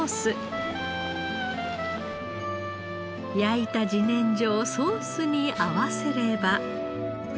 焼いた自然薯をソースに合わせれば。